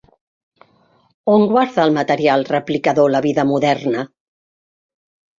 On guarda el material replicador la vida moderna?